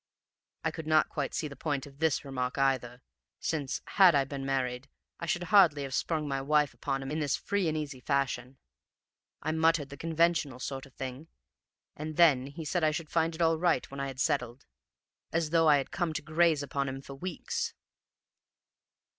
"I could not quite see the point of this remark either, since, had I been married, I should hardly have sprung my wife upon him in this free and easy fashion. I muttered the conventional sort of thing, and then he said I should find it all right when I settled, as though I had come to graze upon him for weeks!